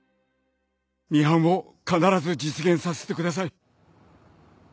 ミハンを必ず実現させてください